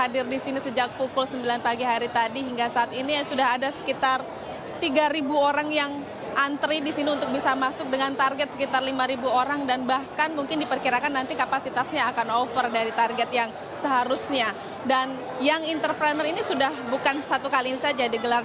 dan young entrepreneur ini sudah bukan satu kali saja